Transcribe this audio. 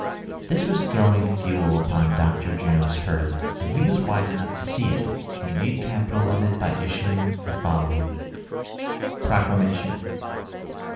" This was throwing fuel upon Dr. Juno's hearth, and he was wise enough to see it, and made capital of it by issu ing the following : PR0CLA3IATI0N.